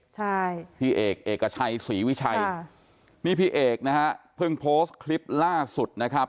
ใช่พี่เอกเอกชัยศรีวิชัยค่ะนี่พี่เอกนะฮะเพิ่งโพสต์คลิปล่าสุดนะครับ